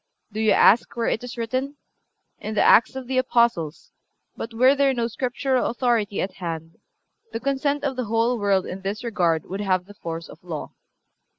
Do you ask where it is written? In the Acts of the Apostles; but were there no Scriptural authority at hand the consent of the whole world in this regard would have the force of law."